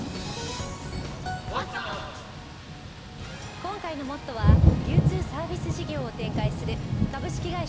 今回の『ＭＯＴＴＯ！！』は流通サービス事業を展開する株式会社